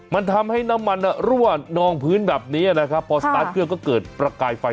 มันทำให้น้ำมันรั่วนองพื้นแบบนี้นะครับพอสตาร์ทเครื่องก็เกิดประกายไฟ